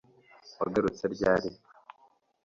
Wagarutse ryari